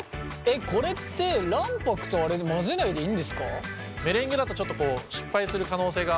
これって卵白とあれで混ぜないでいいんですか？